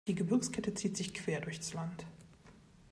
Die Gebirgskette zieht sich quer durchs Land.